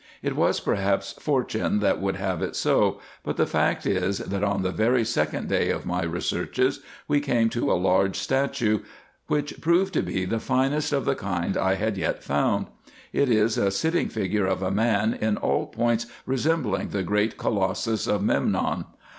It was perhaps fortune that would have it so ; but the fact is, that on the very second day of my researches we came to a large statue, which proved to be the finest of the kind I had yet found. It is a sitting figure of a man, in all points resembling the great colossus of Memnon.